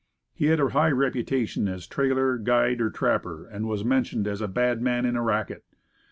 He had a high reputation as trailer, guide, or trapper, and was men tioned as a "bad man in a racket."